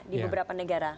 di beberapa negara